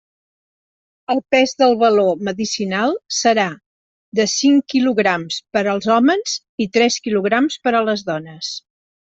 El pes del baló medicinal serà de cinc quilograms per als hòmens i tres quilograms per a les dones.